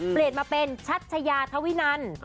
เปลี่ยนมาเป็นชัชยาธวินัน